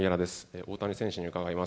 大谷選手にお伺いします。